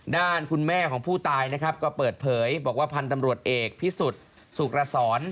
ด้านคุณแม่ของผู้ตายนะครับก็เปิดเผยบอกว่าพันธ์ตำรวจเอกพิสุทธิ์สุรสร